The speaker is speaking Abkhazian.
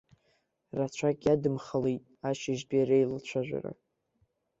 Рацәак иадымхалеит ашьыжьтәи реилацәажәара.